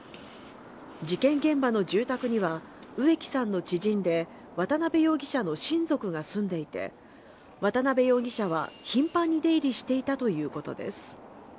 事件現場の住宅には植木さんの知人で渡部容疑者の親族が住んでいて渡部容疑者は、頻繁に出入りしていたということです。